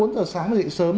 ba bốn giờ sáng dậy sớm